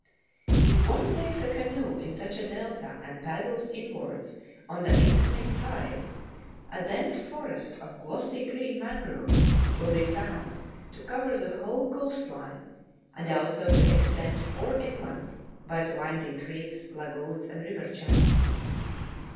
If one takes a canoe in such a delta and paddles inwards on the incoming tide, a dense forest of glossy green mangroves will be found to cover the whole coast line, and also to extend far inland by the winding creeks, lagoons, and river channels.